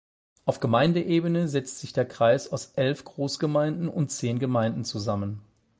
Auf Gemeindeebene setzt sich der Kreis aus elf Großgemeinden und zehn Gemeinden zusammen.